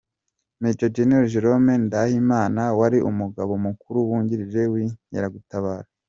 -Maj. Gen. Jérôme Ngendahimana wari Umugaba Mukuru Wungirije w’Inkeragutabara,